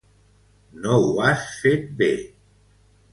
No ho has fet bé.